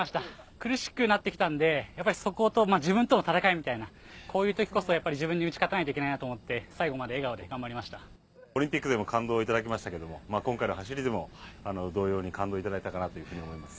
苦しくなってきたので、やっぱりそこと自分との闘いみたいな、こういうときこそやっぱり、自分に打ち勝たないといけないなと思って、最後まで笑顔で頑張りオリンピックでも感動を頂きましたけれども、今回の走りでも同様に感動頂いたかなというふうに思います。